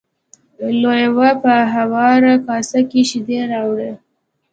لیوه په هواره کاسه کې شیدې راوړې.